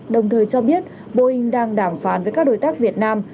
đồng thời cho biết boeing đang đàm phán với các đối tác việt nam